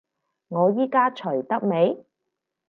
我依家除得未？